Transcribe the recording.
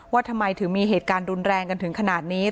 ว่าทำไมถึงมีเหตุการณ์รุนแรงกันถึงขนาดนี้